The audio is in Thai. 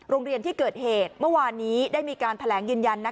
โรงเรียนที่เกิดเหตุเมื่อวานนี้ได้มีการแถลงยืนยัน